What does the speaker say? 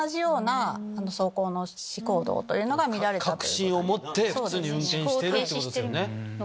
確信を持って普通に運転してるってことですよね。